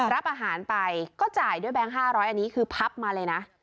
รับอาหารไปก็จ่ายด้วยแบงค์๕๐๐อันนี้คือพับมาเลยนะ